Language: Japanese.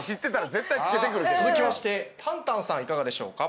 さあ続きましてたんたんさんいかがでしょうか？